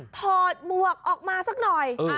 ถอดหมวกออกมาสักหน่อย